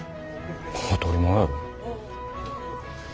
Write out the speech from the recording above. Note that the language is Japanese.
当たり前やろ。